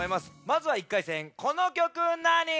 まずは１回戦この曲なに？